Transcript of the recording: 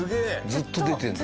ずっと出てるんだ。